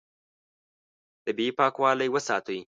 طبیعي پاکوالی وساتئ.